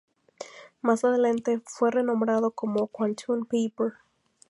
Más adelante fue renombrado como "Quantum Paper".